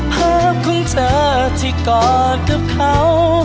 ภาพของเธอที่กอดกับเขา